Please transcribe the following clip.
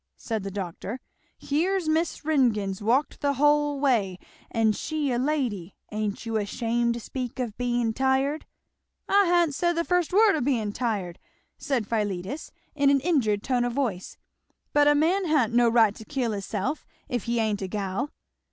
said the doctor. "Here's Miss Ringgan's walked the whole way, and she a lady ain't you ashamed to speak of being tired?" "I ha'n't said the first word o' being tired!" said Philetus in an injured tone of voice, "but a man ha'n't no right to kill hisself, if he ain't a gal!"